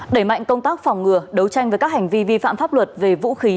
đẩy mạnh công tác phòng ngừa đấu tranh với các hành vi vi phạm pháp luật về vũ khí